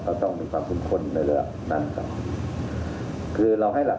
ก็จะทำให้คนก็จะเดินทางออกไปในที่หนึ่งนะครับ